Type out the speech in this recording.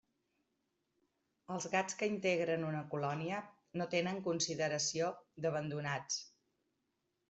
Els gats que integren una colònia no tenen consideració d'abandonats.